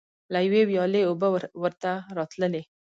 له یوې ویالې اوبه ورته راتللې.